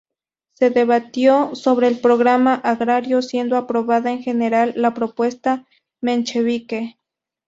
Se debatió sobre el programa agrario, siendo aprobada en general la propuesta menchevique.